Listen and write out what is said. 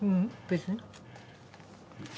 別に。